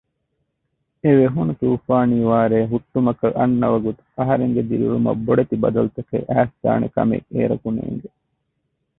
އެވެހުނު ތޫފާނީ ވާރޭ ހުއްޓުމަކަށް އަންނަ ވަގުތު އަހަރެންގެ ދިރިއުޅުމަށް ބޮޑެތި ބަދަލުތަކެއް އައިސްދާނެކަމެއް އޭރަކު ނޭނގެ